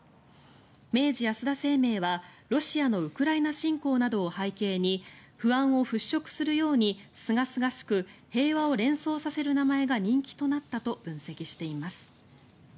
明治安田生命は、ロシアのウクライナ侵攻などを背景に不安を払しょくするようにすがすがしく平和を連想させる名前が人気となったと分析しています。